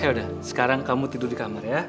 ya udah sekarang kamu tidur di kamar ya